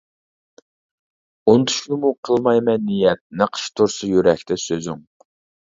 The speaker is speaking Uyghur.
ئۇنتۇشنىمۇ قىلمايمەن نىيەت، نەقىش تۇرسا يۈرەكتە سۆزۈڭ.